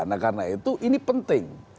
nah karena itu ini penting